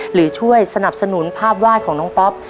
หรือช่วยสนับสนุนภาพวาดของน้องป๊อป